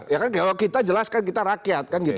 ya kan kalau kita jelaskan kita rakyat